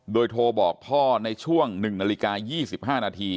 โดยโทรบอกพ่อในช่วง๑นาฬิกา๒๕นาที